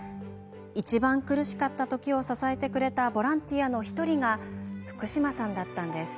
いちばん苦しかった時を支えてくれたボランティアの１人が福島さんだったんです。